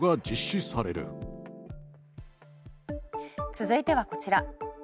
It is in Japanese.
続いてはこちら。